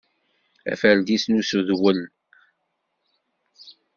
Aferdis n usedwel.